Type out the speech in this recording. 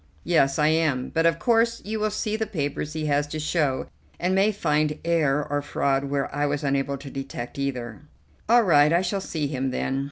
"Yes, I am; but of course you will see the papers he has to show, and may find error or fraud where I was unable to detect either." "All right, I shall see him then."